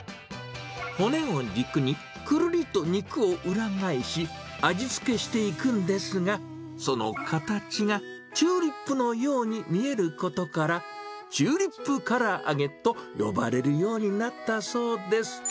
骨を軸にくるりと肉を裏返し、味付けしていくんですが、その形がチューリップのように見えることから、チューリップ唐揚げと呼ばれるようになったそうです。